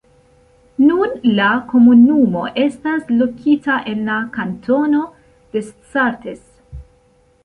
Nun, la komunumo estas lokita en la kantono Descartes.